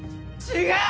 違う！